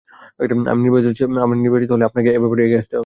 আমি নির্বাচিত হলে, আপনাকে এব্যাপারে এগিয়ে আসতে হবে।